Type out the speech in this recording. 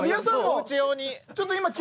おうち用に。